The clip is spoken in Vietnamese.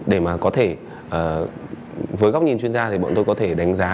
để mà có thể với góc nhìn chuyên gia thì bọn tôi có thể đánh giá